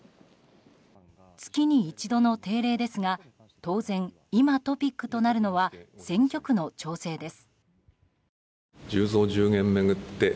月に一度の定例ですが当然、今トピックとなるのは選挙区の調整です。